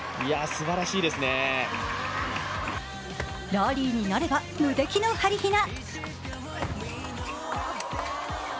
ラリーになれば無敵のはりひな。